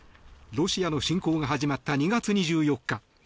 ロシアの侵攻が始まった２月２４日。